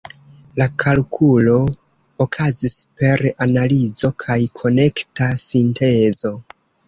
La kalkulo okazis per analizo kaj konekta sintezo.